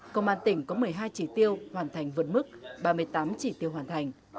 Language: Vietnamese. công an tỉnh có một mươi hai chỉ tiêu hoàn thành vượt mức ba mươi tám chỉ tiêu hoàn thành